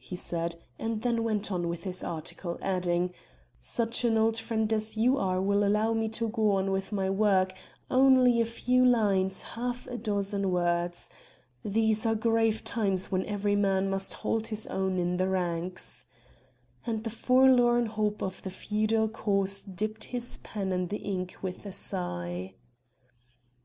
he said, and then went on with his article, adding: "Such an old friend as you are will allow me to go on with my work; only a few lines half a dozen words. These are grave times, when every man must hold his own in the ranks!" and the forlorn hope of the feudal cause dipped his pen in the ink with a sigh.